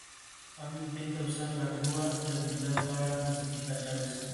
Amy intenta usar la grúa de habilidad para conseguir las llaves.